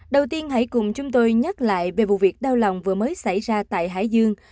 đầu tiên hãy cùng chúng tôi nhắc lại về vụ việc đau lòng vừa mới xảy ra tại hải dương